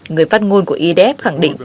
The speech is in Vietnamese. người văn ngôn của idf khẳng định